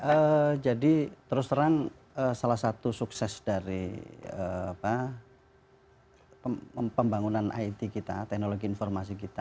ya jadi terus terang salah satu sukses dari pembangunan it kita teknologi informasi kita